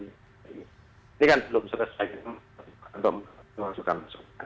ini kan belum selesai untuk menunjukkan